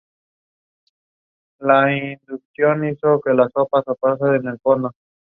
Para esto se invoca gran cantidad de nichos irregulares y cúpulas.